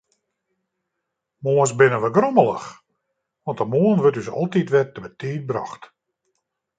Moarns binne wy grommelich, want de moarn wurdt ús altyd wer te betiid brocht.